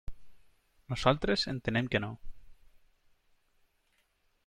Nosaltres entenem que no.